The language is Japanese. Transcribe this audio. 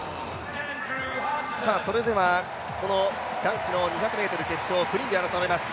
それではこの男子の２００ｍの決勝、９人で争われます。